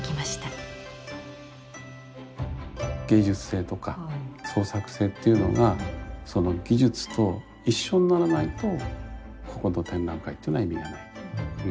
芸術性とか創作性っていうのがその技術と一緒にならないとここの展覧会というのは意味がない。